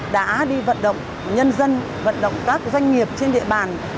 đã đi vận động nhân dân vận động các doanh nghiệp trên địa bàn